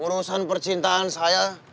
urusan percintaan saya